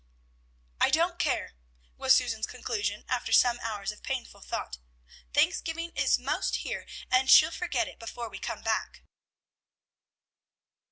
"I don't care," was Susan's conclusion, after some hours of painful thought. "Thanksgiving is most here, and she'll forget it before we come back."